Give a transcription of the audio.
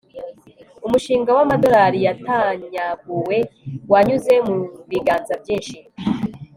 umushinga w'amadolari yatanyaguwe wanyuze mu biganza byinshi